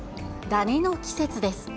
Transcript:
ダニの季節です。